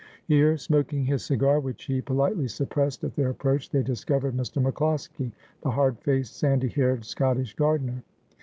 Here, smoking his cigar, which he politely suppressed at their approach, they discovered Mr. MacCloskie, the hard faced, sandy haired Scottish gardener.